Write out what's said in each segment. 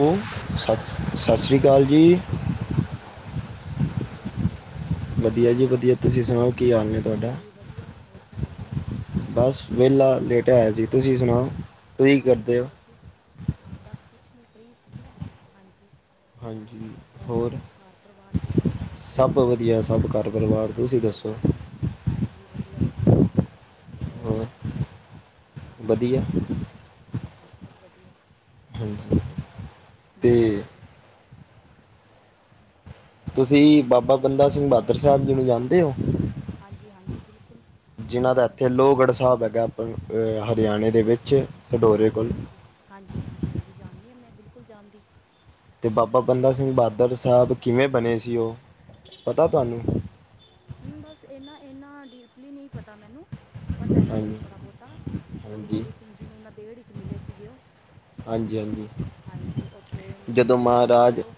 Hello, hello ਸਤ, ਸਸ ਸ਼੍ਰੀ ਕਾਲ ਜੀ। ਕਾਲ। ਹੋਰ ਕੀ ਹਾਲ ਏ ਤਾਡਾ? ਵਧੀਆ ਜੀ ਵਧੀਆ, ਤੁਸੀ ਸੁਨਾਓ, ਕੀ ਹਾਲ ਨੇ ਤਾਡਾ? ਹਾਂਜੀ ਵਧੀਆ ਹੋਰ ਕੀ ਕਰਦੇ ਹੋ ਬਸ ਵੇਲਾ ਲੇਟੇਆ ਹੋਏਆ ਸੀ। ਤੁਸੀ ਸੁਨਾਓ। ਹਾਂਜੀ, ਵਧੀਆ ਹਾਂ ਬਸ ਕੁਛ ਨੀ ਫਰੀ ਸੀ ਕਯਾ, ਹਾਂਜੀ। ਹੋਰ ਸਭ ਘਰ ਪਰਵਾਰ ਕਿੱਦਾਂ? ਸਭ ਵਧੀਆ ਐ। ਸਭ ਘਰ ਪਰਵਾਰ ਤੁਸੀ ਅੱਛਾ ਦੱਸੋ। ਹਾਂਜੀ ਵਧੀਆ- ਵਧੀਆ। ਹੋਰ ਹਾਂਜੀ ਵਧੀਆ ਹਾਂਜੀ। ਸਭ ਵਧੀਆ। ਹਾਂਜੀ ਹੂੰ ਹੂੰ ਤੇ ਹਾਂਜੀ। ਤੁਸੀ ਬਾਬਾ ਬੰਦਾ ਸਿੰਘ ਹਾਂਜੀ ਬਾਦਰ ਸਾਹਿਬ ਜੀ ਨੂੰ ਜਾਨਦੇ ਓ? ਹਾਂਜੀ -ਹਾਂਜੀ ਬਿਲਕੁਲ। ਹਾਂਜੀ ਜਿਨ੍ਹਾਂ ਦਾ ਏਥੇ ਜਾਣਦੇ ਲੋਹਗੜ੍ਹ ਸਾਬ ਹੈਗਾ ਐ ਅਪ ਅ ਹਰਿਆਣੇ ਹਾਂਜੀ ਦੇ ਵਿੱਚ ਸਡੋਰੇ ਹਾਂਜੀ ਕੋਲ ਹਾਂਜੀ ਹਾਂਜੀ -ਹਾਂਜੀ -ਹਾਂਜੀ ਜਾਨਨੀ ਆਂ ਮੈਂ ਬਿਲਕੁਲ ਜਾਨਦੀ ਤੇ ਬਾਬਾ ਬੰਦਾ ਸਿੰਘ ਬਾਦਰ ਸਾਹਬ ਕਿਵੇਂ ਬਣੇ ਸੀ ਓ? [unintelligible] ਪਤਾ ਤੁਆਨੂੰ? ਹੂੰ, ਬਸ ਏਨਾ ਏਨਾ ਡੀਪਲੀ ਨੀ ਪਤਾ ਮੈਨੂੰ। ਪਤਾ ਐ ਵੈਸੇ ਹਾਂਜੀ ਥੋੜ੍ਹਾ ਬੋਤਾ ਗੁਰੂ ਹਾਂਜੀ ਗੋਬਿੰਦ ਸਿੰਘ ਜੀ ਨੂੰ ਨੰਦੇੜ ਚ ਮਿਲੇ ਸੀਗੇ ਓ। ਹਾਂਜੀ ਹਾਂਜੀ ਹਾਂਜੀ, ਓਥੇ ਜਦੋਂ ਨੰਦੇੜ ਚ ਮਹਾਰਾਜ ਜਦੋਂ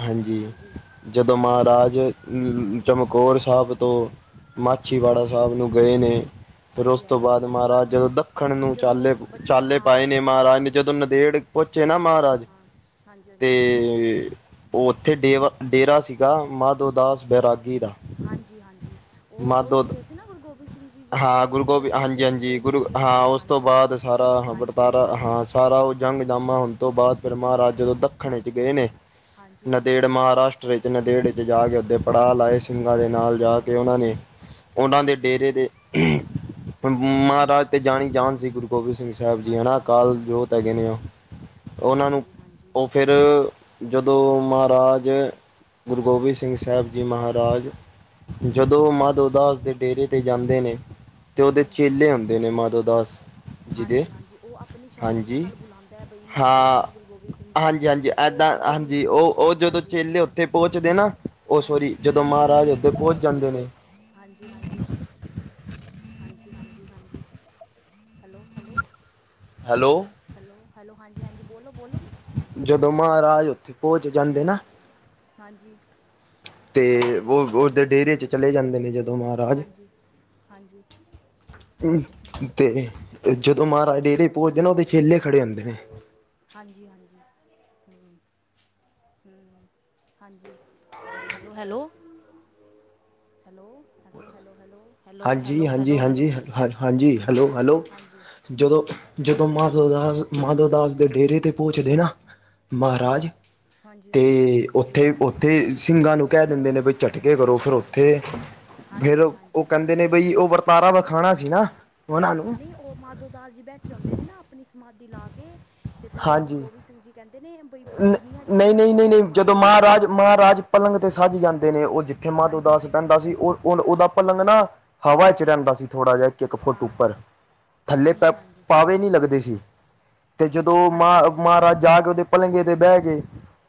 ਹਾਂਜੀ, ਜਦੋਂ ਹਾਂਜੀ ਬ- ਮਹਾਰਾਜ ਹਮ, ਚਮਕੌਰ ਹਾਂ ਸਾਬ ਤੋਂ ਹਾਂਜੀ ਮਾਛੀਵਾੜਾ ਹਾਂਜੀ ਸਾਬ ਨੂੰ ਗਏ ਨੇ ਫੈਰ ਓਸ ਹਾਂਜੀ ਤੋਂ ਬਾਦ ਹਾਂਜੀ ਮਹਾਰਾਜ ਜਦੋਂ ਦੱਖਣ ਹਮ, ਨੂੰ ਜਦੋਂ ਚਾਲੇ ਬੱਚਿਆਂ ਚਾਲੇ ਹਾਂ ਪਾਏ ਨੇ ਜਦੋਂ ਮਹਾਰਾਜ ਨੇ ਜਦੋਂ ਨੰਦੇੜ ਪੋਚੇ ਨਾ ਮਹਾਰਾਜ ਹਾਂ ਹਾਂਜੀ ਹਾਂਜੀ ਤੇ ਓਥੇ ਡੇਵਾ ਡੇਰਾ ਸੀਗਾ ਮਾਧੋ ਦਾਸ ਬੈਰਾਗੀ ਦਾ ਹਾਂਜੀ -ਹਾਂਜੀ। ਓ ਓ ਮਾਧੋ ਗਏ ਸੀ ਨਾ ਗੁਰੂ ਗੋਬਿੰਦ ਸਿੰਘ ਜੀ ਜਦੋਂ ਹਾਂ ਗੁਰੂ ਗੋਬਿੰਦ ਬੱਚੇ ਹਾਂਜੀ ਸ਼ਹੀਦ ਹਾਂਜੀ ਹੋ ਗਏ ਗੁਰੂ ਸੀ ਓਨਾਂ ਹਾਂ ਦੇ ਉਸ ਤੋਂ ਹਾਂਜੀ- ਬਾਅਦ ਹਾਂਜੀ। ਸਾਰਾ ਹਾਂਜੀ ਵਰਤਾਰਾ ਹਾਂਜੀ ਹਾਂ ਸਾਰਾ ਓ ਜੰਗ ਹਾਂਜੀ ਜਾਮਾ ਹੋਨ ਤੋਂ ਬਾਅਦ ਫੇਰ ਮਹਾਰਾਜ ਜਦੋਂ ਹਾਂਜੀ ਦੱਖਣ ਏਚ ਗਏ ਨੇ ਹਾਂਜੀ ਨੰਦੇੜ ਹਾਂਜੀ ਮਹਾਰਾਸ਼ਟਰ ਏਚ ਨੰਦੇੜ ਚ ਜਾ ਕੇ ਹਾਂਜੀ ਓਥੇ ਪੜਾਅ ਲਾਏ ਸਿੰਘਾਂ ਦੇ ਨਾਲ ਜਾ ਹਾਂਜੀ ਕੇ ਹਾਂ ਓਨਾਂ ਨੇ। ਓਨਾ ਦੇ ਹਾਂਜੀ ਡੇਰੇ ਦੇ ਅਮ‌ ਹੂੰ ਮਹਾਰਾਜ ਤੇ ਜਾਣੀ ਜਾਣ ਸੀ ਗੁਰੂ ਗੋਬਿੰਦ ਸਿੰਘ ਜੀ ਸਾਹਿਬ ਜੀ ਹਨਾ, ਹਾਂਜੀ ਹਾਂਜੀ ਹਾਂਜੀ ਅਕਾਲ ਹਾਂਜੀ ਜੋਤ ਹੈਗੇ ਨੇਓ। ਓਨਾਂ ਨੂੰ ਹਾਂਜੀ ਹਾਂਜੀ ਓ ਫੈਰ ਜਦੋਂ ਮਹਾਰਾਜ ਗੁਰੂ ਗੋਬਿੰਦ ਹਾਂਜੀ ਸਿੰਘ ਸਾਹਿਬ ਜੀ ਮਹਾਰਾਜ ਜਦੋਂ ਮਾਧੋ ਦਾਸ ਦੇ ਡੇਰੇ ਤੇ ਜਾਂਦੇ ਨੇ। ਤੇ ਓਦੇ ਹਾਂਜੀ ਚੇਲੇ ਆਂਦੇ ਨੇ ਮਾਧੋ ਦਾਸ ਜੀ ਦੇ ਹਾਂਜੀ -ਹਾਂਜੀ ਓ ਆਪਨੀ ਸ਼ਕਤੀਆਂ ਹਾਂਜੀ ਨਾਲ ਬੁਲਾਂਦਾ ਐ ਬਈ ਮੈਂ ਬੁਲਾਵਾਂ ਗੁਰੂ ਗੋਬਿੰਦ ਸਿੰਘ ਜੀ ਨੂੰ ਐ ਹਾਂਜੀ। ਉਹ -ਏਦਾਂ ਆਉਂਦੇ ਨਹੀਂ ਹਾਂਜੀ ਓ ਓ ਜਦੋਂ ਹਾਂਜੀ ਚੇਲੇ ਹਾਂਜੀ ਓਥੇ ਪੌਂਚਦੇ ਨਾ, ਓ ਸੋਰੀ ਹਾਂਜੀ ਜਦੋਂ ਮਹਾਰਾਜ ਤੇ ਪੋਂਚ ਜਾਂਦੇ ਨੇ। ਹਾਂਜੀ -ਹਾਂਜੀ। ਹਾਂਜੀ- ਹਾਂਜੀ -ਹਾਂਜੀ। Hello -hello. Hello. Hello- hello, ਹਾਂਜੀ -ਹਾਂਜੀ, ਬੋਲੋ -ਬੋਲੋ, ਹਾਂਜੀ ਜਦੋਂ ਮਹਾਰਾਜ ਉੱਥੇ ਪਹੁੰਚ ਹੂੰ। ਜਾਂਦੇ ਨਾ ਹਾਂਜੀ। ਤੇ ਓ ਓਦੇ ਡੇਰੇ ਚ ਚਲੇ ਜਾਂਦੇ ਨੇ ਜਦ ਦੋਂ ਮਹਾਰਾਜ ਹਾਂਜੀ ਹਾਂਜੀ ਊਂ ਤੇ ਜਦੋਂ ਮਹਾਰਾਜ ਡੇਰੇ ਪਹੁੰਚਦੇ ਨਾ, ਉਹਦੇ ਚੇਲੇ ਖੜ੍ਹੇ ਹੁੰਦੇ ਨੇ। ਹਾਂਜੀ -ਹਾਂਜੀ। ਹੂੰ ਹੂੰ, ਹਾਂਜੀ। Hello- hello! Hello, hello, hello, hello hello ਹਾਂਜੀ, ਹੈਲੋ ਹਾਂਜੀ, ਹੈਲੋ ਹਾਂਜੀ, ਹੈਲੋ ਹ, ਹਾਂਜੀ, ਹੈਲੋ -ਹੈਲੋ। ਜਦੋਂ- ਜਦੋਂ ਹਾਂਜੀ ਮਾਧੋ ਦਾਸ ਮਾਧੋ ਦਾਸ ਦੇ ਡੇਰੇ ਤੇ ਪਹੁੰਚਦੇ ਨਾ, ਮਹਾਰਾਜ ਹਾਂਜੀ ਹਾਂਜੀ 'ਤੇ ਉੱਥੇ ਹੂੰ ਉ 'ਤੇ ਸਿੰਘਾਂ ਨੂੰ ਕਹਿ ਦਿੰਦੇ ਨੇ ਬ ਝਟਕੇ ਕਰੋ ਫਿਰ ਉੱਥੇ, ਫਿਰ ਹਾਂਜੀ ਹਾਂਜੀ ਕਹਿੰਦੇ ਨੇ ਬਈ, ਉਹ ਵਰਤਾਰਾ ਵਖਾਣਾ ਸੀ ਨਾ ਉਹਨਾਂ ਹਾਂ, ਨੂੰ ਨਹੀਂ ਉਹ ਮਾਧੋ ਦਾਸ ਜੀ ਬੈਠੇ ਹੁੰਦੇ ਨੇ ਨਾ ਆਪਣੀ ਸਮਾਧੀ ਲਾ ਕੇ, ਤੇ ਫਿਰ ਉਹ ਗੁਰੂ ਹਾਂਜੀ ਗੋਬਿੰਦ ਸਿੰਘ ਜੀ ਕਹਿੰਦੇ ਨੇ ਬਈ ਦੁਨੀਆਂ 'ਚ ਨਹੀਂ ਇੰਨਾ ਨਹੀਂ ਨਹੀਂ ਕਹਿਰ ਨਹੀਂ ਜਦੋਂ ਕਮਾਂਦੇ ਪਏ ਨੇ ਮਹਾਰਾਜ ਮਹਾਰਾਜ ਪਲੰਗ 'ਤੇ ਸੱਜ ਜਾਂਦੇ ਨੇ, ਉਹ ਜਿੱਥੇ ਹਾਂਜੀ ਮਾਧੋਦਾਸ ਹਾਂਜੀ ਪੈਂਦਾ ਸੀ ਉਹ ਓੰਨ ਉਹਦਾ ਪਲੰਗ ਨਾ, ਹਵਾ 'ਚ ਰਹਿੰਦਾ ਸੀ। ਥੋੜਾ ਜਿਹਾ ਇੱਕ-ਇੱਕ ਫੁੱਟ ਹਾਂ ਉੱਪਰ, ਥੱਲੇ ਪ ਹਾਂਜੀ ਹਾਂਜੀ ਪਾਵੇ ਨਹੀਂ ਹਾਂਜੀ ਲੱਗਦੇ ਸੀ। 'ਤੇ ਜਦੋਂ ਮ ਹਾਂਜੀ ਮਹਾਰਾਜ ਜਾ ਕੇ ਉਹਦੇ ਪਲੰਗੇ 'ਤੇ ਬਹਿ ਗਏ,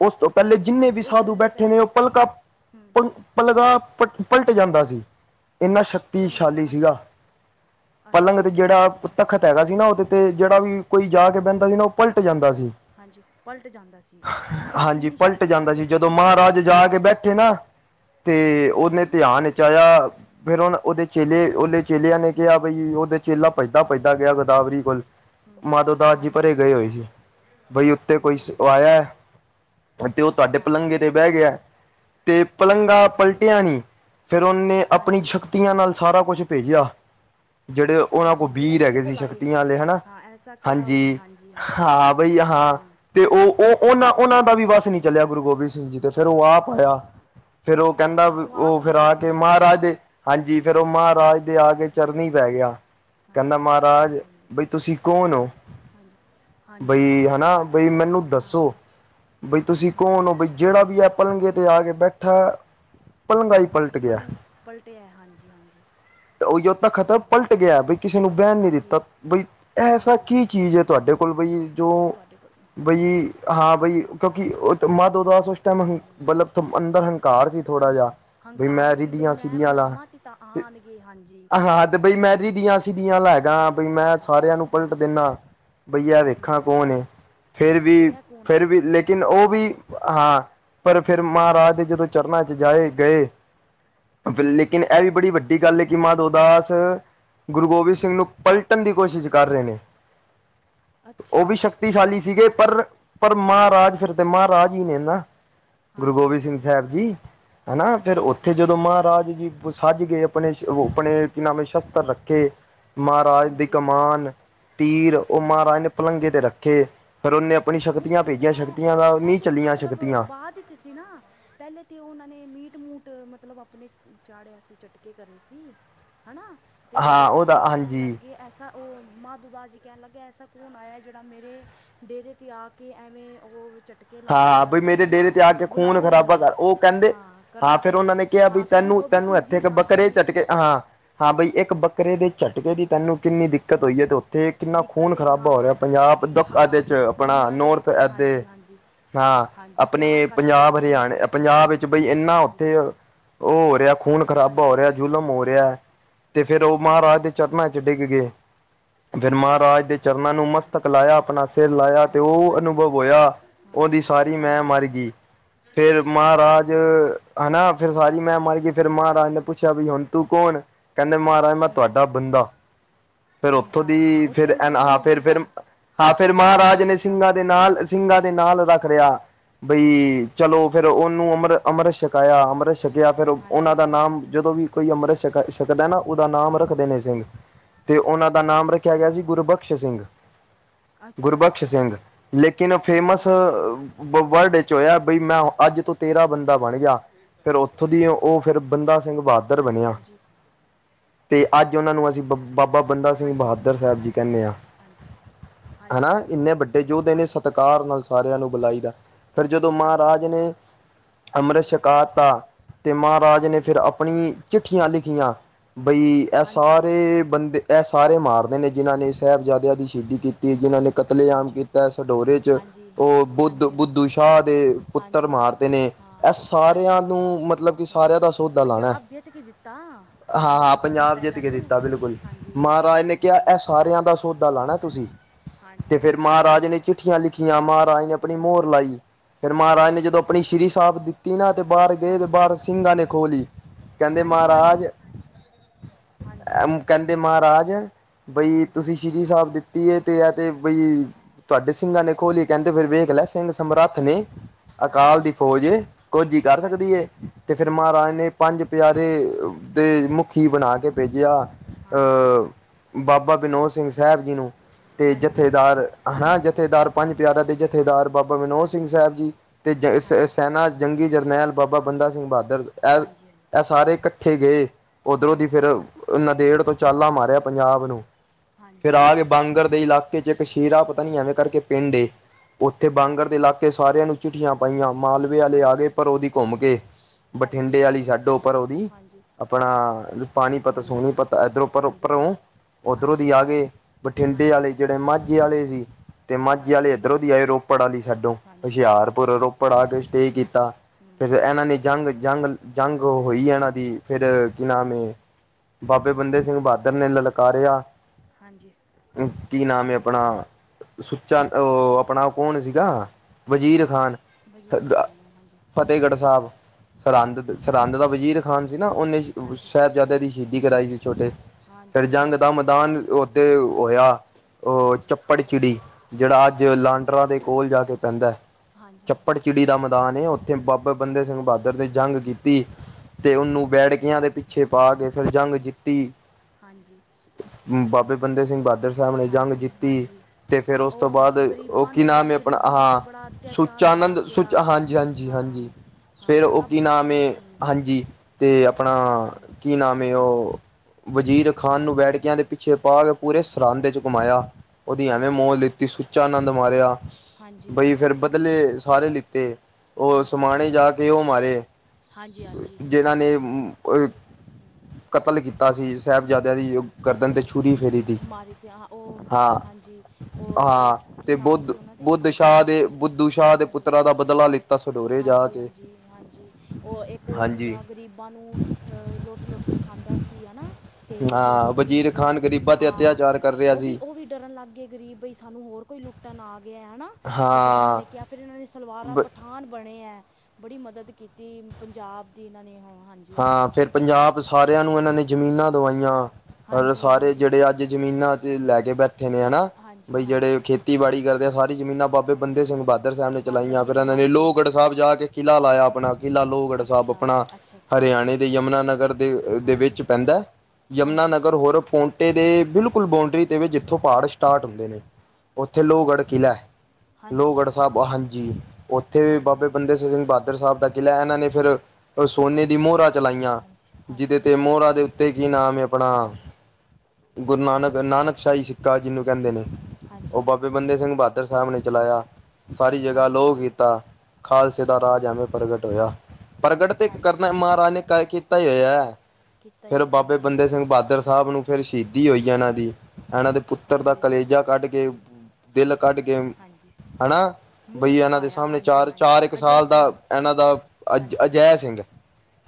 ਉਸ ਤੋਂ ਪਹਿਲੇ ਜਿੰਨੇ ਹਾਂਜੀ ਵੀ ਉਹ ਸਾਧੂ ਥੱਲੇ ਬਹਿ ਬੈਠੇ ਗਏ ਨੇ ਉਹ ਪਲਕਾ ਪ ਪਲਗਾ ਪ ਪਲਟ ਜਾਂਦਾ ਸੀ, ਇੰਨਾ ਪਲੰਗਾ ਸ਼ਕਤੀਸ਼ਾਲੀ ਪ ਅੱਛਾ ਸੀਗਾ। ਅੱਛਾ ਪਲੰਗ 'ਤੇ ਅੱਛਾ ਜਿਹੜਾ ਹਾਂਜੀ ਤਖ਼ਤ ਹਾਂਜੀ ਹੈਗਾ ਸੀ ਨਾ ਉਹਦੇ 'ਤੇ ਜਿਹੜਾ ਵੀ ਕੋਈ ਜਾ ਕੇ ਬਹਿੰਦਾ ਸੀ, ਨਾ ਪਲਟ ਜਾਂਦਾ ਸੀ। ਹਾਂਜੀ, ਪਲਟ ਜਾਂਦਾ ਸੀ ਅੱਛਾ! ਬਈ ਹਾਂਜੀ ਇੰਨੀ ਪਲਟ ਜਾਂਦਾ ਸ਼ਕਤੀਸ਼ਾਲੀ ਹੈਗੀ ਸੀ ਜਦੋਂ ਮਾਧੋ ਮਹਾਰਾਜ ਦਾਸ ਜਾ ਕੇ ਬੈਠੇ ਨਾ ਹਾਂਜੀ! 'ਤੇ ਉਹਨੇ ਹਾਂਜੀ ਧਿਆਨ 'ਚ ਆਇਆ ਫਿਰ ਓੰਨ ਉਹਦੇ ਚੇਲੇ, ਓਦੇ ਚੇਲਿਆਂ ਨੇ ਕਿਹਾ ਬਈ, ਉਹਦੇ ਚੇਲਾ ਭੱਜਦਾ-ਭੱਜਦਾ ਗਿਆ ਗੋਦਾਵਰੀ ਕੋਲ। ਮਾਧੋ ਦਾਸ ਜੀ ਹਾਂਜੀ ਪਰੇ ਹਾਂਜੀ ਗਏ ਹੋਏ ਸੀ, ਬਈ ਉੱਤੇ ਕੋਈ ਹਾਂਜੀ ਹਾਂਜੀ ਆਇਆ 'ਤੇ ਉਹ ਤੁਹਾਡੇ ਹਾਂ ਪਲੰਗੇ ਤੇ ਉੱਥੇ ਬਹਿ ਗਿਆ 'ਤੇ ਪਲੰਗਾਂ ਹਾਂਜੀ ਹਾਂਜੀ ਪਲਟਿਆ ਨਹੀਂ, ਫਿਰ ਉਹਨੇ ਆਪਣੀ ਹਾਂਜੀ ਸ਼ਕਤੀ ਤੀਆਂ ਨਾਲ ਸਾਰਾ ਕੁਛ ਭੇਜਿਆ। ਜਿਹੜੇ ਉਹਨਾਂ ਕੋਲ ਹਾਂਜੀ ਬਈ ਇਹ ਬੀਰ ਹੈ ਮੇਰੇ ਗਏ ਸੀ ਕੋਲ ਆਏ ਸ਼ਕਤੀਆਂ ਵਾਲੇ ਹਨਾ, ਹਾਂ ਐਸਾ ਕਿਹੜਾ ਹੋਏ ਹਾਂਜੀ, ਹਾਂਜੀ ਹਾਂ ਬਈ ਹਾਂ। 'ਤੇ ਉਹ-ਉਹ, ਉਹਨਾਂ-ਉਹਨਾਂ ਦਾ ਵੀ ਵੱਸ ਨੀ ਚਲਿਆ ਗੁਰੂ ਗੋਬਿੰਦ ਸਿੰਘ ਜੀ ਤੇ ਫਿਰ ਉਹ ਆਪ ਹਾਂਜੀ ਆਇਆ ਫਿਰ ਉਹ ਕਹਿੰਦਾ ਹਾਂ ਉਹ ਆਪ ਫਿਰ ਗਿਆ ਆ ਸੀ ਕੇ ਹਾਂ ਮਹਾਰਾਜ ਦੇ, ਹਾਂਜੀ। ਫਿਰ ਉਹ ਮਹਾਰਾਜ ਦੇ ਆ ਕੇ ਚਰਨੀ ਪੈ ਗਿਆ। ਹਾਂ ਕਹਿੰਦਾ ਮਹਾਰਾਜ, ਹਾਂਜੀ ਹਾਂਜੀ ਬਈ ਤੁਸੀਂ ਕੌਣ ਹੋ? ਹਾਂਜੀ ਬਈ ਹਾਂਜੀ ਹਾਂਜੀ ਹਨਾ ਬਈ ਮੈਨੂੰ ਦੱਸੋ, ਬਈ ਤੁਸੀਂ ਕੌਣ ਹਾਂਜੀ ਓ? ਬਈ ਜਿਹੜਾ ਵੀ ਆ ਪਲੰਗੇ ਤੇ ਆ ਕੇ ਬੈਠਾ ਪਲੰਗਾ ਹੀ ਪਲਟ ਗਿਆ ਪਲੰਗਾਂ ਪਲਟਿਆ, ਹਾਂਜੀ-ਹਾਂਜੀ। ਉ ਯ ਖ਼ਤਮ ਪਲਟ ਗਿਆ, ਬਈ ਕਿਸੇ ਨੂੰ ਬੈਨ ਨੀ ਹਾਂਜੀ ਦਿੱਤਾ, ਬਈ ਐਸਾ ਹਾਂਜੀ ਕੀ ਚੀਜ਼ ਐ ਤੁਹਾਡੇ ਕੋਲ ਬਈ ਜੋ ਸਾਡੇ ਕੋਲ ਬਈ ਹਾਂ ਬਈ ਕਿਉਂਕਿ ਮਾਧੋ ਉਦਾਸ ਉਸ ਟਾਈਮ ਹੰ ਮਤਲਬ ਅੰਦਰ ਹੰ ਕਾਰ ਸੀ ਥੋੜਾ ਹੰ ਜਿਹਾ ਬਈ ਹੰਕਾਰ ਮੈਂ ਸੀ ਬਈ ਮੈਂ ਰਿਧੀਆ-ਸੀਧੀਆ ਆਲਾ, ਬੁਲਾਵਾਂ ਤੇ ਤਾਂ ਆਣਗੇ ਹਾਂਜੀ ਹਾਂ ਤੇ ਬਈ ਮੈਂ ਰਿਧੀਆ ਸਿੱਧੀਆਂ ਆਲਾ ਹੈਗਾ ਬਈ ਮੈਂ ਹਾਂ ਸਾਰਿਆਂ ਨੂੰ ਪਲਟ ਹਾਂ ਦਿੰਨਾ, ਬਈ ਇਹ ਵੇਖਾਂ ਕੌਣ ਏ? ਫਿਰ ਹਾਂ ਬਈ ਵੀ, ਇਹ ਕੌਣ ਆ ਫਿਰ ਵੀ ਗਿਆ ਲੇਕਿਨ ਉਹ ਵੀ ਹਾਂ, ਪਰ ਫਿਰ ਮਹਾਰਾਜ ਦੇ ਜਦੋਂ ਚਰਨਾਂ 'ਚ ਜਾਏ, ਗਏ ਫਿਰ ਲੇਕਿਨ ਇਹ ਵੀ ਬੜੀ ਵੱਡੀ ਗੱਲ ਹੈ ਕਿ ਮਾਦੋ ਦਾਸ ਗੁਰੂ ਗੋਬਿੰਦ ਸਿੰਘ ਨੂੰ ਪਲਟਣ ਦੀ ਕੋਸ਼ਿਸ਼ ਕਰ ਰਹੇ ਨੇ ਅੱਛਾ ਉਹ ਵੀ ਸ਼ਕਤੀਸ਼ਾਲੀ ਸੀਗੇ ਪਰ, ਪਰ ਹਾਂ ਮਹਾਰਾਜ ਫਿਰ 'ਤੇ ਮਹਾਰਾਜ ਹੀ ਨੇ ਨਾ। ਗੁਰੂ ਹਾਂਜੀ ਗੋਬਿੰਦ ਸਿੰਘ ਹਾਂਜੀ ਸਾਹਿਬ ਹਾਂਜੀ ਜੀ, ਹਨਾ ਫਿਰ ਹਾਂਜੀ ਉੱਥੇ ਹਾਂਜੀ ਜਦੋਂ ਮਹਾਰਾਜ ਜੀ ਸੱਜ ਗਏ ਆਪਣੇ-ਵੋ ਆਪਣੇ ਨਵੇਂ ਸ਼ਸਤਰ ਰੱਖੇ ਕੇ ਮਹਾਰਾਜ ਦੀ ਹਾਂਜੀ ਹਾਂਜੀ ਕਮਾਨ ਤੀਰ ਉਹ ਮਹਾਰਾਜ ਨੇ ਪਲੰਗੇ 'ਤੇ ਰੱਖੇ। ਫਿਰ ਉਹਨੇ ਹੂੰ, ਆਪਣੀ ਸ਼ਕਤੀਆਂ ਨਈ-ਨਈ, ਭੇਜੀਆਂ ਸ਼ਕਤੀਆਂ ਦਾ ਐਹ ਨਹੀਂ ਤਾਂ ਚੱਲੀਆਂ ਮਤਲਬ ਸ਼ਕਤੀਆਂ ਬਾਅਦ ਵਿੱਚ ਸੀ ਨਾ ਪਹਿਲੇ ਤਾਂ ਉਹ ਉਹਨਾਂ ਨੇ ਮੀਟ-ਮੂਟ ਮਤਲਬ ਆਪਣੇ ਚਾੜਿਆ ਸੀ ਝਟਕੇ ਕਰੇ ਸੀ। ਹਨਾ, ਤੇ ਗੁਰੂ ਹਾਂ ਗੋਬਿੰਦ ਸਿੰਘ ਉਹਦਾ ਜੀ ਕਹਿਣ ਲੱਗ ਹਾਂਜੀ ਗਏ ਐਸਾ ਉਹ, ਮਾਧੂ ਦਾਸ ਕਹਿਣ ਲੱਗਗੇ ਐਸਾ ਕੋਣ ਆਇਆ ਜਿਹੜਾ ਮੇਰੇ ਡੇਰੇ 'ਤੇ ਆ ਕੇ ਐਵੇਂ ਉਹ ਝਟਕ ਹਾਂ, ਬਈ ਮੇਰੇ ਡੇਰੇ ਤੇ ਆ ਕੇ ਖੂਨ ਖ਼ਰਾਬਾ ਉਹਨੂੰ ਕਰ, ਉਹ ਕਹਿੰਦੇ ਹਾਂ ਕਰਦਾ ਫਿਰ ਪਿਆ ਉਹਨਾਂ ਨੇ ਕਿਹਾ ਬਈ, ਹਾਂ ਵੀ ਫਿਰ ਗੁਰੂ ਗੋਬਿੰਦ ਤੈਨੂੰ-ਤੈਨੂੰ ਸਿੰਘ ਇੱਥੇ ਜੀ ਜਾਂਦੇ ਬੱਕਰੇ ਨੇ ਝੱਟਕੇ ਹਾਂ- ਹਾਂ, ਬਈ ਇੱਕ ਬੱਕਰੇ ਦੇ ਝਟਕੇ ਦੀ ਤੈਨੂੰ ਕਿੰਨੀ ਦਿੱਕ ਦਿੱਕਤ ਹੋਈ ਏ, ਹਾਂਜੀ ਤੇ ਉੱਥੇ ਕਿੰਨਾ ਦਿੱਕਤ ਖੂਨ- ਇਹ ਖਰਾਬਾ ਹੋ ਰਿਹਾ ਹਾਂ ਪੰਜਾਬ' ਚ'ਏਦੇ ਹਾਂ 'ਚ' ਆਪਣਾ ਦੁਨੀਆ ਦੇ ਨੌਰਥ ਵਿੱਚ ਐਦੇ ਹਾਂਜੀ ਹਾਂਜੀ ਹਾਂ ਹਾਂਜੀ ਤਿਆਰ ਆਪਣੇ ਕਰਕੇ ਪੰਜਾਬ, ਭੇਜਦੇ ਨੇ ਹਰਿਆਣੇ, ਫਿਰ ਹੂੰ ਪੰਜਾਬ ਵਿੱਚ ਬਈ ਇਨ੍ਹਾਂ ਹਾਂਜੀ ਉੱਥੇ ਓ ਉਹ ਹੋ ਰਿਹਾ ਖੂਨ ਖਰਾਬਾ ਹੋ ਹਾਂਜੀ ਰਿਹਾ ਹਾਂਜੀ ਜ਼ੁਲਮ ਹੋ ਰਿਹਾ। ਹਾਂਜੀ ਤੇ ਫਿਰ ਉਹ ਮਹਾਰਾਜ ਦੇ ਹਾਂਜੀ ਚਰਨਾਂ'ਚ 'ਡਿੱਗ ਗੇ। ਫਿਰ ਹਾਂਜੀ ਮਹਾਰਾਜ ਦੇ ਚਰਨਾਂ ਨੂੰ ਮਸਤਕ ਲਾਇਆ ਆਪਣਾ ਸਿਰ ਲਾਇਆ ਹਾਂ ਤੇ ਉਹ ਹਾਂਜੀ ਅਨੁਭਵ ਹੋਇਆ ਹਾਂ ਉਹਦੀ ਸਾਰੀ ਮੈਂ ਹਾਂਜੀ ਮਰ ਹਾਂਜੀ ਗਈ, ਫੇਰ ਮਹਾਰਾਜ ਹਾਂਜੀ ਹਨਾ। ਫਿਰ ਸਾਰੀ ਮੈਂ ਮਰਗੀ ਫਿਰ ਹਾਂਜੀ ਮਹਾਰਾਜ ਹਾਂਜੀ ਨੇ ਪੁੱਛਿਆ ਵੀ ਹੁਣ ਤੂੰ ਕੌਣ ਏ, ਕਹਿੰਦੇ ਮਹਾਰਾਜ ਮੈਂ ਹੂੰ ਤੁਹਾਡਾ ਬੰਦਾ। ਫਿਰ ਉੱਥੋਂ ਬੰਦਾ ਹਾਂ ਦੀ ਉੱਥੇ ਫਿਰ ਅ ਨਾ ਨਾਮ ਹਾਂ ਮੈਨੂੰ ਫਿਰ ਬੰਦਾ -ਫਿਰ ਹਾਂ ਫਿਰ ਮਹਾਰਾਜ ਨਾਮ ਨੇ ਦਿੱਤਾ ਸਿੰਘਾਂ ਦੇ ਨਾਲ ਸਿੰਘਾਂ ਦੇ ਨਾਲ ਰੱਖ ਰਿਹਾ ਬਈ ਚਲੋ ਫਿਰ ਉਹਨੂੰ ਅੰਮ੍ਰਿ-ਅੰਮ੍ਰਿਤ ਛਕਾਇਆ, ਅੰਮ੍ਰਿਤ ਛਕਿਆ ਫਿਰ ਹਾਂਜੀ ਉਹਨਾਂ ਦਾ ਹਾਂਜੀ ਨਾਮ ਜਦੋਂ ਵੀ ਕੋਈ ਅੰਮ੍ਰਿਤ ਛਕ -ਛਕਦਾ ਨਾ ਉਹਦਾ ਨਾਮ ਰੱਖ ਦੇ ਹੋਦੇ ਸਨ। ਤੇ ਉਹਨਾਂ ਦਾ ਨਾਮ ਅੱਛਾ ਰੱਖਿਆ ਗਿਆ ਸੀ ਗੁਰਬਖਸ਼ ਸਿੰਘ। ਅੱਛਾ ਅੱਛਾ ਗੁਰਬਖਸ਼ ਸਿੰਘ, ਅੱਛਾ ਲੇਕਿਨ ਫੇਮਸ ਅੱਛਾ ਅ ਵਰਲਡ 'ਚ ' ਹੋਇਆ ਬਈ ਅੱਜ ਤੋਂ ਤੇਰਾ ਬੰਦਾ ਹਾਂ ਬਣ ਗਿਆ। ਫਿਰ ਉੱਥੋਂ ਦੀ ਉਹ ਫਿਰ ਬੰਦਾ ਸਿੰਘ ਬਹਾਦਰ ਹਾਂਜੀ ਬਣਿਆ। ਹਾਂਜੀ ਤੇ ਅੱਜ ਉਹਨਾਂ ਨੂੰ ਅਸੀਂ ਬੰਦਾ ਬਾਬਾ ਬੰਦਾ ਸਿੰਘ ਹਾਂਜੀ ਬਹਾਦਰ ਹਾਂਜੀ ਸਾਹਿਬ ਜੀ ਕਹਿੰਨੇ ਆਂ। ਹਾਂਜੀ ਹਾਂਜੀ ਹਨਾਂ ਹਾਂਜੀ ਇੰਨੇ ਵੱਡੇ ਯੋਧੇ ਨੇੇ ਹਾਂਜੀ ਸਤਿਕਾਰ ਨਾਲ ਸਾਰਿਆਂ ਨੂੰ ਬੁਲਾਈ ਦਾ। ਫਿਰ ਜਦੋਂ ਹਾਂਜੀ ਹਾਂਜੀ ਮਹਾਰਾਜ ਨੇ, ਅੰਮ੍ਰਿਤ ਛਕਾ ਤਾਂ ਤੇ ਮਹਾਰਾਜ ਨੇ ਹਾਂਜੀ ਫਿਰ ਆਪਣੀ ਚਿੱਠੀਆਂ ਲਿਖੀਆਂ, ਬਈ ਹਾਂਜੀ ਇਹ ਹਾਂਜੀ ਸਾਰੇ ਬੰਦੇ ਇਹ ਸਾਰੇ ਮਾਰਦੇ ਨੇ ਜਿਨ੍ਹਾਂ ਨੇ ਸਾਹਿਬਜ਼ਾਦਿਆਂ ਦੀ ਸ਼ਹੀਦੀ ਕੀਤੀ ਜਿਨ੍ਹਾਂ ਨੇ ਕਤਲੇਆਮ ਹਾਂਜੀ ਕੀਤਾ ਸਡੋਰੇ ਚ, ਹਾਂਜੀ ਉਹ ਹਾਂਜੀ ਬੁੱਧ-ਬੁੱਧੂ ਸ਼ਾਹ ਦੇ ਪੁੱਤਰ ਹਾਂਜੀ ਮਾਰ ਤੇ ਨੇ ਹਾਂ ਇਹ ਸਾਰਿਆਂ ਹਾਂਜੀ ਨੂੰ ਮਤਲਬ ਤੂੰ ਸਾਰਿਆਂ ਦਾ ਸੌਦਾ ਲਾਣਾਂ, ਪੰਜਾਬ ਜਿੱਤ ਕੇ ਦਿੱਤਾ ਸਰਹੰਦ ਹਾਂ-ਹਾਂ ਫਤਿਹ ਪੰਜਾਬ ਕੀਤਾ ਜਿੱਤ ਇਹਨਾਂ ਕੇ ਨੇ ਦਿੱਤਾ ਬਿਲਕੁਲ ਹਾਂਜੀ ਮਹਾਰਾਜ ਨੇ ਹਾਂਜੀ ਕਿਹਾ ਹਾਂਜੀ ਐਸ ਸਾਰਿਆਂ ਦਾ ਸੌਦਾ ਲਾਣਾ ਤੁਸੀਂ, ਤੇ ਹਾਂਜੀ ਫਿਰ ਹਾਂਜੀ ਮਹਾਰਾਜ ਨੇ ਚਿੱਠੀਆਂ ਲਿਖ ਖਿਆ, ਹਾਂ, ਮਹਾਰਾਜ ਨੇ ਆਪਣੀ ਹਾਂਜੀ ਮੋਹਰ ਲਾਈ, ਫਿਰ ਹਾਂਜੀ ਹਾਂਜੀ ਮਹਾਰਾਜ ਨੇ ਜਦੋਂ ਆਪਣੀ 'ਸ਼੍ਰੀ ਸਾਹਿਬ' ਦਿੱ ਦਿੱਤੀ ਨਾ, ਤੇ ਬਾਹਰ ਗਏ ਤੇ ਹਾਂਜੀ ਬਾਹਰ ਸਿੰਘਾਂ ਨੇ ਖੋਲੀ ਕਹਿੰਦੇ ਹਾਂਜੀ ਹਾਂਜੀ ਮਹਾਰਾਜ ਹਾਂਜੀ ਕਹਿੰਦੇ ਮਹਾਰਾਜ ਬਈ ਤੁਸੀਂ 'ਸ਼੍ਰੀ ਸਾਹਿਬ' ਦਿੱਤੀ ਏ ਤੇ ਐਤੇ ਹਾਂ, ਬਈ ਹਾਂਜੀ ਤੁਆਡੇ ਸਿੰਘਾਂ ਨੇ ਖੋਲੀ ਕਹਿੰਦੇ ਫਿਰ ਵੇਖ ਲੈ ਸਿੰਘ ਸਮਰੱਥ ਨੇ ਅਕਾਲ ਹਾਂਜੀ ਦੀ ਫੌਜ ਏ, ਕੁਝ ਵੀ ਕਰ ਹਾਂਜੀ ਸਕਦੀ ਏ ਤੇ ਫਿਰ ਹਾਂਜੀ ਹਾਂਜੀ ਮਹਾਰਾਜ ਨੇ ਪੰਜ ਪਿਆਰੇ ਦੇ ਮੁੱਖੀ ਬਣਾ ਕੇ ਭੇਜਿਆ ਹਾਂਜੀ ਅਹ ਬਾਬਾ ਵਿਨੋਦ ਸਿੰਘ ਸੈਬ ਜੀ ਨੂੰ ਤੇ ਜਥੇਦਾਰ ਹਨਾ ਜਥੇਦਾਰ। ਪੰਜ ਪਿਆਰਿਆਂ ਦੇ ਜਥੇਦਾਰ ਬਾਬਾ ਵਿਨੋਦ ਸਿੰਘ ਹਾਂਜੀ ਸੈਬ ਜੀ ਤੇ ਜ ਜ ਹਾਂਜੀ ਸੈਨਾ ਜੰਗੀ ਜਰਨੈਲ ਬਾਬਾ ਬੰਦਾ ਸਿੰਘ ਬਹਾਦਰ ਹਾਂਜੀ ਐ ਸਾਰੇ ਕੱਠੇ ਗਏ। ਓਧਰੋਂ ਦੀ ਹਾਂਜੀ ਫੇਰ ਹਾਂਜੀ ਨਦੇੜ ਤੋਂ ਚਾਲਾ ਮਾਰਿਆ ਪੰਜਾਬ ਨੂੰ। ਫੇਰ ਹਾਂਜੀ ਆ ਕੇ ਬਾਂਗਰ ਦੇ ਇਲਾਕੇ 'ਚ ਇਕ ਸੀਰਾ ਪਤਾ ਨੀ ਐਂਵੇ ਕਰਕੇ ਪਿੰਡ ਏ। ਓਥੇ ਹਾਂਜੀ ਹਾਂਜੀ ਬਾਂਗਰ ਦੇ ਇਲਾਕੇ ਸਾਰਿਆਂ ਨੂੰ ਚਿੱਠੀਆਂ ਪਾਈਆਂ, ਮਾਲਵੇ ਆਲੇ ਆ ਹਾਂਜੀ ਗਏ ਪਰੋਂ ਦੀ ਘੁੰਮ ਕੇ। ਹਾਂਜੀ ਬਠਿੰਡੇ ਆਲੀ ਸੇਡੋ ਓ ਪਰੋਂ ਦੀ। ਆਪਣਾ ਪਾਣੀਪਤ, ਹਾਂਜੀ ਸੋਣੀਪਤ ਏਧਰੋਂ ਪਰੋਂ- ਹਾਂਜੀ ਉਪਰੋਂ। ਓਧਰੋਂ ਦੀ ਹਾਂਜੀ ਆ ਗਏ, ਬਠਿੰਡੇ ਹਾਂਜੀ ਹਾਂਜੀ ਆਲੇ ਜੜੇ ਮਾਝੇ ਆਲੇ ਸੀ। ਤੇ ਮਾਝੇ ਆਲੇ ਹਾਂਜੀ ਏਧਰੋਂ ਦੀ ਆਏ ਰੋਪੜ ਆਲੀ ਸੇਡੋਂ ਹਾਂਜੀ ਹੂੰ ਹੁਸ਼ਿਆਰਪੁਰ, ਰੋਪੜ ਆ ਕੇ ਹਾਂਜੀ ਸਟੇ ਕੀਤਾ। ਫੇਰ ਏਨਾਂ ਨੇ ਜੰਗ, ਜੰਗ, ਜੰਗ ਹੋਈ ਏਨਾਂ ਦੀ ਫੇਰ ਕੀ ਹਾਂਜੀ ਨਾਮ ਏ। ਬਾਬੇ ਬੰਦੇ ਸਿੰਘ ਬਾਦਰ ਨੇ ਲਲਕਾਰਿਆ। ਹਾਂਜੀ। ਊਂ ਕੀ ਨਾਮ ਏ ਆਪਣਾ। ਚ ਓ ਆਪਣਾ ਕੌਣ ਸੀਗਾ, ਵਜ਼ੀਰ ਹਾਂ ਖਾਨ ਵਜ਼ੀਰ ਹ-ਦ ਖਾਨ ਨੂੰ ਹਾਂਜੀ ਫ਼ਤਿਹਗੜ੍ਹ ਸਾਬ, ਹਾਂਜੀ ਸਰਅੰਦ ਸਰਅੰਦ ਦਾ ਵਜ਼ੀਰ ਖਾਨ ਸੀ ਨਾ ਓਨੇ ਓ ਸ਼ੈ ਹਾਂਜੀ ਸੈੈਬ ਜ਼ਾਦਿਆ ਦੀ ਸ਼ੀਦੀ ਕਰਾਈ ਸੀ ਛੋਟੇ, ਫੇਰ ਹਾਂਜੀ ਜੰਗ ਦਾ ਹਾਂਜੀ ਮੈਦਾਨ ਓ ਤੇ ਓਇਆ ਓ ਹਾਂਜੀ ਚੱਪੜ ਚਿੜੀ। ਜੜਾ ਅੱਜ ਹਾਂਜੀ ਹਾਂਜੀ ਲਾਂਡਰਾਂ ਦੇ ਕੋਲ ਜਾ ਕੇ ਪੈਂਦਾ। ਹਾਂਜੀ ਚੱਪੜ ਚਿੜੀ ਦਾ ਮੈਦਾਨ ਏ ਓਥੇ ਬਾਬੇ ਬੰਦੇ ਸਿੰਘ ਅੱਛਾ ਅੱਛਾ ਬਾਦਰ ਨੇ ਹਾਂਜੀ ਜੰਗ ਕੀਤੀ ਏ। ਤੇ ਹਾਂਜੀ ਓਨੂੰ ਹਾਂਜੀ ਵੈੈੜਕਿਆਂ ਦੇ ਪਿੱਛੇ ਪਾ ਕੇ ਫੇਰ ਜੰਗ ਜਿੱਤੀ। ਹਾਂਜੀ। ਬਾਬੇ ਬੰਦੇ ਸਿੰਘ ਬਾਦਰ ਸੈਬ ਨੇ ਜੰਗ ਹਾਂਜੀ ਜਿੱਤੀ, ਹਾਂਜੀ ਤੇ ਫੇਰ ਹਾਂ ਓਸ ਓਸ ਤੋਂ ਉਹ ਬਾਦ ਓ ਗਰੀਬਾਂ ਕੀ ਨੂੰ ਬੜੀ ਨਾਮ ਏ ਆਪਣਾ ਆ ਗਰੀਬਾਂ ਉੱਤੇ ਹਾਂ ਬੜਾ ਅਤਿਆਚਾਰ ਹੋਣ ਲੱਗ ਸੁਚਾਨੰਦ ਗਿਆ ਸੁਚ ਹਾਂਜੀ- ਹਾਂਜੀ ਹਾਂ ਹਾਂਜੀ। ਫੇਰ ਹਾਂ ਓ ਸਭ ਕੀ ਕੁਛ ਨਾਮ ਏ ਹੂੰ, ਹਾਂਜੀ ਤੇ ਆਪਣਾ ਕੀ ਨਾਮ ਏ ਓ ਵਜ਼ੀਰ ਖਾਨ ਹਾਂਜੀ ਹਾਂਜੀ ਨੂੰ ਵੈੜਕਿਆਂ ਦੇ ਪਿੱਛੇ ਪਾ ਕੇ ਪੂਰੇ ਸਰਅਂਦੇ 'ਚ ਘਮਾਇਆ। ਓਦੀ ਐਵੇਂ ਹਾਂਜੀ ਮੌਤ ਲਿਖੀ ਸੁੱਚਾਨੰਦ ਮਾਰਿਆ, ਹਾਂਜੀ ਬਈ ਫੇਰ ਬਦਲੇ ਸਾਰੇ ਲਿੱਤੇ। ਓ ਹਾਂਜੀ ਸਮਾਣੇ ਜਾ ਕੇ ਓ ਮਾਰੇ, ਹਾਂਜੀ ਹਾਂਜੀ ਜਿਨਾਂ ਨੇ ਮ ਓ ਕਤਲ ਕੀਤਾ ਸੀ ਸੈਬਜ਼ਾਦਿਆਂ ਦੀ ਓ ਗਰਦਨ ਤੇ ਛੁਰੀ ਫੇਰੀ ਤੀ ਮਾਰੇ ਸੀ ਹਾਂ ਓ ਹਾਂ ਹਾਂਜੀ। ਓ ਹਾਂ ਕੀ ਤੇ ਨਾਮ ਬੁੱਧ ਸੀ ਓਨਾਂ ਦੇ ਬੁੱਧ ਹਾਂਜੀ- ਸ਼ਾਹ ਦੇ ਬੁੱਧੂ ਸ਼ਾਹ ਦੇ ਹਾਂਜੀ -ਹਾਂਜੀ। ਪੁੱਤਰਾਂ ਦਾ ਬਦਲਾ ਲਿੱਤਾ ਸਡੋਰੇ ਜਾ ਹਾਂਜੀ- ਕੇ। ਹਾਂਜੀ ਹਾਂਜੀ ਓ ਇੱਕ ਓ ਹਾਂਜੀ। ਸੀਗਾ ਗ਼ਰੀਬਾਂ ਨੂੰ ਲੁੱਟ ਲੁੱਟ ਖਾਂਦਾ ਸੀ, ਹਨਾ ਤੇ ਹਾਂ ਜਦੋਂ ਵਜ਼ੀਰ ਗਰੀਬ ਖਾਨ ਗ਼ਰੀਬਾਂ ਤੇ ਹਾਂ ਅਤਿਆਚਾਰ ਕਰ ਰਿਹਾ ਓ ਵੀ ਸੀ। ਓ ਵੀ ਡਰਨ ਲੱਗ ਗੇ ਗਰੀਬ ਬਈ, ਸਾਨੂੰ ਹੋਰ ਕੋਈ ਲੁੱਟਣ ਆ ਗਿਆ ਹਨਾ। ਤੇ ਫੇਰ ਐਨਾਂ ਹਾਂ ਨੇ ਕਿਆ ਫੇਰ ਏਨਾਂ ਦੀਆਂ ਸਲਵਾਰਾਂ ਬ ਪੱਠਾ ਠਾਨ ਬਣੇ ਐ, ਬੜੀ ਮਦਦ ਕੀਤੀ ਪੰਜਾਬ ਦੀ ਏਨਾਂ ਨੇ ਹਾਂ। ਹਾਂਜੀ ਹਾਂ ਫੇਰ ਪੰਜਾਬ ਸਾਰਿਆਂ ਨੂੰ ਏਨਾਂ ਨੇ ਹਾਂਜੀ ਹਾਂਜੀ ਜ਼ਮੀਨਾਂ ਦਵਾਈਆਂ, ਹਾਂਜੀ ਸਾਰੇ ਹਾਂਜੀ ਜੇੜੇ ਅੱਜ ਜੇ ਜ਼ਮੀਨਾਂ ਅੱਜ਼ ਲੈ ਕੇ ਬੈਠੇ ਨੇ ਹਨਾ। ਹਾਂਜੀ ਬਈ ਹਾਂਜੀ ਜੜੇ ਖੇਤੀਬਾੜੀ ਕਰਦੇ, ਸਾਰੀ ਜ਼ਮੀਨਾਂ ਬਾਬੇ ਹਾਂਜੀ ਬੰਦੇ ਸਿੰਘ ਬਾਦਰ ਸੈਬ ਨੇ ਬਹਾਦਰ ਚਲਾਈਆਂ। ਜੀ ਫੇਰ ਏਨੇ ਨੇ ਹਾਂਜੀ ਲੋਹਗੜ੍ਹ ਸਾਬ ਜਾ ਕੇ ਕਿਲ੍ਹਾ ਲਾਇਆ ਆਪਣਾ, ਕਿਲ੍ਹਾ ਲੋਹਗੜ੍ਹ ਸਾਬ ਅੱਛਾ ਆਪਣਾ ਅੱਛਾ ਅੱਛਾ ਹਰਿਆਣੇ ਦੇ ਯਮਨਾਨਗਰ ਦੇ ਦੇ ਹਾਂਜੀ ਵਿੱਚ ਪੈਂਦਾ, ਹਾਂਜੀ ਯਮਨਾਨਗਰ ਹੋਰ ਪੌਂਟ ਪੌਂਂਟੇ ਦੇ ਬਿਲਕੁਲ ਬਾਉਂਡਰੀ ਤੇ ਵੀ ਜਿੱਥੋਂ ਪਾੜ ਸਟਾਟ ਹੁੰਦੇ ਨੇ। ਓਥੇ ਅੱਛਾ ਲੋਹਗੜ੍ਹ ਅੱਛਾ ਕਿਲ੍ਹਾ ਐ, ਹਾਂਜੀ ਲੋਹਗੜ੍ਹ ਸਾਬ ਹਾਂਜੀ ਓਥੇ ਹਾਂਜੀ ਬਾਬੇ ਬੰਦੇ ਸਿੰਘ ਬਾਦਰ ਸਾਬ ਦਾ ਕਿਲ੍ਹਾ, ਏਨਾਂ ਨੇ ਫੇਰ ਸੋਨੇ ਦੀ ਮੋਰਾਂ ਚਲਾਈਆਂ ਹਾਂਜੀ ਜੀਦੇ ਹਾਂਜੀ ਤੇ ਮੋਰਾਂ ਦੇ ਉੱਤੇ ਕੀ ਨਾਮ ਏ ਆਪਣਾ ਹਾਂਜੀ ਗੁਰੂ ਨਾਨਕ, ਨਾਨਕਸ਼ਾਈ ਸ਼ਿੱਕਾ ਜਿਨੂੰ ਕੈੰਦੇ ਨੇ। ਓ ਹਾਂਜੀ ਬਾਬੇ ਬੰਦੇ ਸਿੰਘ ਬਾਦਰ ਸਾਬ ਨੇ ਚਲਾਆ ਸਾਰੀ ਜਗਾ ਹਾਂਜੀ ਹਾਂਜੀ ਲੋ ਕੀਤਾ, ਖਾਲਸੇ ਦਾ ਹਾਂਜੀ ਰਾਜ ਐਵੇਂ ਪ੍ਰਗਟ ਹੋਆ, ਪ੍ਰਗਟ ਤੇ ਹਾਂਜੀ ਕਰਨਾ ਮਾਰਾਜ ਨੇ ਕਾਏ ਕੀਤਾ ੲੈ ਹੋਏਐ ਕੀਤਾ ਫੇਰ ਹੈ ਬਾਬੇ ਹਾਂਜੀ ਬੰਦੇ ਸਿੰਘ ਬਾਦਰ ਸਾਬ ਨੂੰ ਫੇਰ ਸ਼ਿਦੀ ਹੋਈ ਏਨਾਂ ਦੀ, ਏਨਾ ਦੇ ਪੁੱਤਰ ਦਾ ਹਾਂਜੀ ਕਲੇਜਾ ਕੱਢ ਕੇ, ਦੇਲ ਹਾਂਜੀ ਕੱਢ ਹਾਂਜੀ ਕੇ, ਹਾਂਜੀ ਹਨਾ ਮੂੰਹ ਬਈ 'ਚ ੲੈਨਾ ਦੇ ਪਾਇਆ ਸਾਮਣੇ ਹਾਂਜੀ ਹਾਂਜੀ ਚਾਰ-ਚਾਰ ਕ ਅਜੈ ਸਾਲ ਦਾ ਸਿੰਘ ੲੈਨਾ ਦਾ ਅ ਹਾਂਜੀ ਅਜੈ ਸਿੰਘ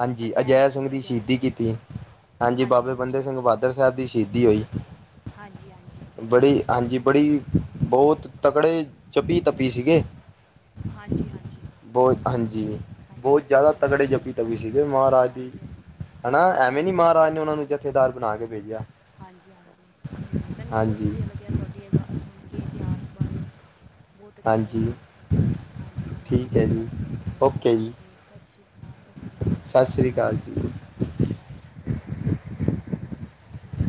ਹਾਂਜੀ, ਅਜੈ ਸਿੰਘ ਦੀ ਸ਼ਹੀਦੀ ਕੀਤੀ, ਹਾਂਜੀ ਬਾਬੇ ਹਾਂਜੀ ਬੰਦੇ ਸਿੰਘ ਹਾਂਜੀ ਬਾਦ [unintelligible] ਸਾਬ ਦੀ ਸ਼ੀਦੀ ਹੋਈ। ਹਾਂਜੀ ਬੜੀ, ਹਾਂਜੀ ਬੜੀ, ਬੋਤ ਤਕੜੇ ਚੱਪੀ-ਤੱਪੀ ਸੀਗੇ ਹਾਂਜੀ-ਹਾਂਜੀ। ਬੋਤ ਹਾਂਜੀ, ਬੋਤ ਜਾਦਾ ਹਾਂਜੀ ਤਗੜੇ ਹਾਂਜੀ ਜੱਪੀ ਵੀ ਸੀਗੇ ਮਾਰਾਜ ਦੀ, ਹਾਂਜੀ ਹਾਂਜੀ ਹਾਂਜੀ ਹਨਾ ਐਵੇਂ ਨੀ ਹਾਂਜੀ ਮਾਰਾਜ ਨੇ ਓਨਾਂ ਨੂੰ ਜਥੇਦਾਰ ਬਣਾਕੇ ਭੇਜੇਆ ਹਾਂਜੀ-ਹਾਂਜੀ, ਹੂੰ ਮੈਨੂੰ ਬੋਤ ਵਧੀਆ ਲੱਗੇਆ ਤੁਵਾਡੀ ਐ ਗਾ ਸੁਣ ਕੇ ਇਤੇਹਾਸ ਬਾਰੇ ਬੋਤ ਅੱਛਾ ਹਾਂਜੀ ਲੱਗੇਆ, ਹਾਂਜੀ-ਹਾਂਜੀ ਠੀਕ ਹੈ ਜੀ ਹਾਂਜੀ ਠੀਕ ਏ, ਸਸ਼੍ਰੀ ਕਾਲ ਓ ਸਸ੍ਰੀ ਕਾਲ ਜੀ। ਸਸ਼੍ਰੀ ਕਾਲ ਜੀ।